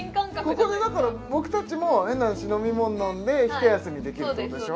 ここでだから僕たちも変な話飲みもん飲んでひと休みできるってことでしょ？